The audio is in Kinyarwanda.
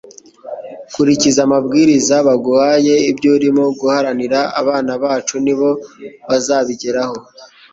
Kurikiza amabwiriza baguhaye ibyo urimo guharanira abana bacu nib o bazabigeraho.”